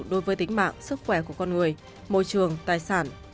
đối với tính mạng sức khỏe của con người môi trường tài sản